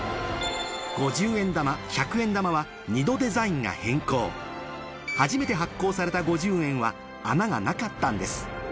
５０円玉１００円玉は２度デザインが変更初めて発行された５０円は穴がなかったんです